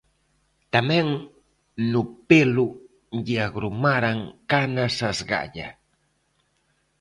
Tamén no pelo lle agromaran canas a esgalla;